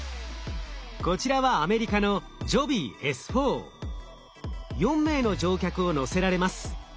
こちらは４名の乗客を乗せられます。